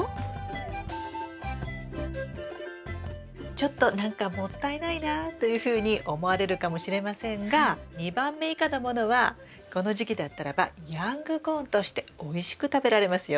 ちょっと何かもったいないなというふうに思われるかもしれませんが２番目以下のものはこの時期だったらばヤングコーンとしておいしく食べられますよ。